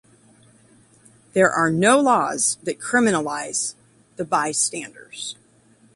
There are no laws that criminalize the bystanders.